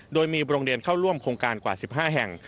โดยมีโรงเรียนเข้าร่วมโครงการกว่า๑๕แห่ง